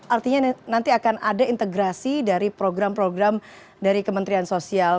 artinya nanti akan ada integrasi dari program program dari kementerian sosial